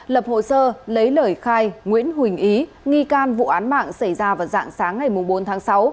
lập hồ sơ lấy lời khai nguyễn huỳnh ý nghi can vụ án mạng xảy ra vào dạng sáng ngày bốn tháng sáu